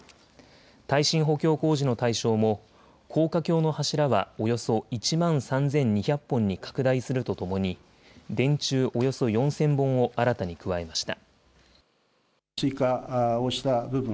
耐震補強工事の対象も高架橋の柱はおよそ１万３２００本に拡大するとともに電柱およそ４０００本を新たに加えました。